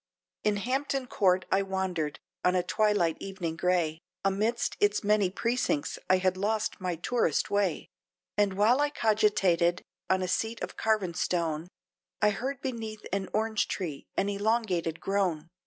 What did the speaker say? IN Hampton Court I wandered on a twilight evening grey, Amidst its mazy precincts I had lost my tourist way, And while I cogitated, on a seat of carven stone, I heard beneath an orange tree, an elongated groan!